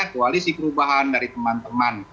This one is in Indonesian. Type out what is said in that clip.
koalisi perubahan dari teman teman